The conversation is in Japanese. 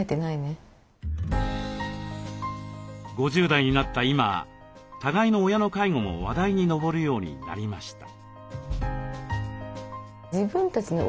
５０代になった今互いの親の介護も話題に上るようになりました。